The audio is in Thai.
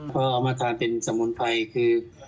พอเอามาทานเป็นสมุนไพรคือ